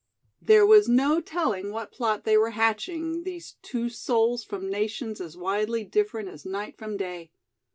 There was no telling what plot they were hatching, these two souls from nations as widely different as night from day.